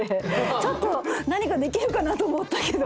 ちょっと何かできるかなと思ったけど。